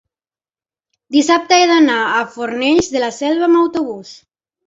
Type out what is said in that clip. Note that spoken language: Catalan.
dissabte he d'anar a Fornells de la Selva amb autobús.